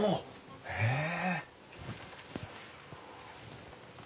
へえ。